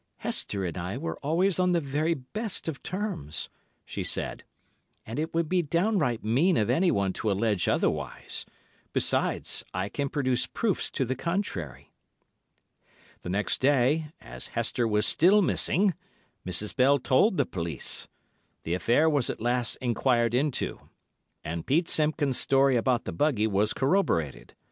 "Hester and I were always on the very best of terms," she said, "and it would be downright mean of anyone to allege otherwise. Besides, I can produce proofs to the contrary." The next day, as Hester was still missing, Mrs. Bell told the police. The affair was at once inquired into, and Pete Simpkins' story about the buggy was corroborated.